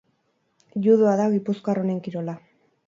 Judoa da gipuzkoar honen kirola.